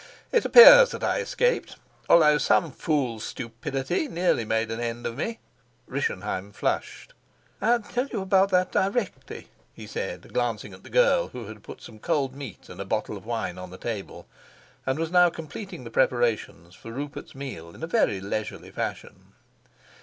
"It appears that I escaped, although some fool's stupidity nearly made an end of me." Rischenheim flushed. "I'll tell you about that directly," he said, glancing at the girl who had put some cold meat and a bottle of wine on the table, and was now completing the preparations for Rupert's meal in a very leisurely fashion.